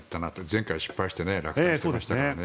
前回、失敗して落胆していましたからね。